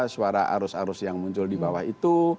suara arus arus yang muncul di bawah itu